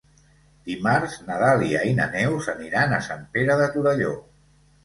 Dimarts na Dàlia i na Neus aniran a Sant Pere de Torelló.